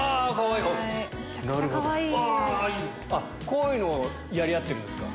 こういうのをやり合ってるんですか？